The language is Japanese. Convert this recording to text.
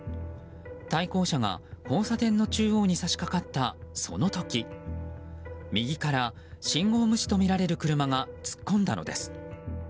対向車が交差点の中央に差し掛かった、その時右から信号無視とみられる車が突っ込んだのです。